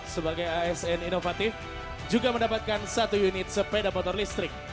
sebagai asn inovatif juga mendapatkan satu unit sepeda motor listrik